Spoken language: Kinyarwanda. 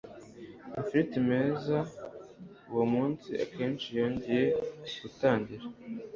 amafiriti meza, uwo munsi, akenshi yongeye gutangira! ..